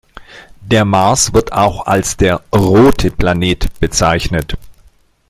Der Mars wird auch als der „rote Planet“ bezeichnet.